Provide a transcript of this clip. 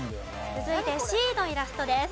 続いてＣのイラストです。